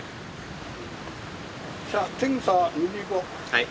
はい。